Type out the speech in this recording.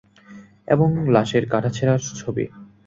এবং লাশের কাটা-ছেঁড়ার ছবি?